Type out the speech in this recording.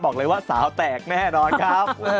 บอกเลยว่าสาวแตกแน่นอนครับ